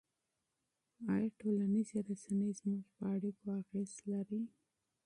آیا ټولنیزې رسنۍ زموږ په اړیکو اغېز لري؟